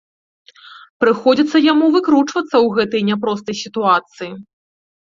Прыходзіцца яму выкручвацца ў гэтай няпростай сітуацыі.